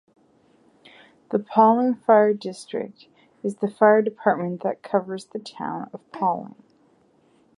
The Pawling Fire District is the fire department that covers the Town Of Pawling.